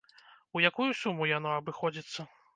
У якую суму яно абыходзіцца?